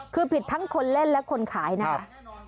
คือผิดทั้งคนเล่นและคนขายนะคะ